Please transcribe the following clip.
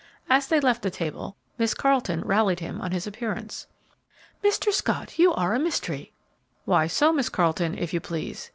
As they left the table, Miss Carleton rallied him on his appearance. "Mr. Scott, you are a mystery!" "Why so, Miss Carleton, if you please?"